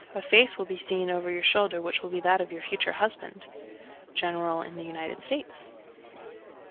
A face will be seen over your shoulder which will be that of your future husband. _General in the United States.